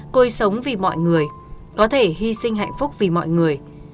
cô ấy sống vì mọi người có thể hy sinh hạnh phúc vì mọi người